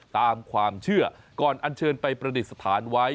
ตามความเชื่อก่อนอันเชิญไปประดิษฐานไว้